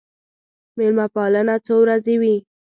مېلمه پالنه څو ورځې وي.